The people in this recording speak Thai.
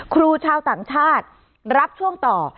ครูชาวต่างชาติรับช่วงต่อ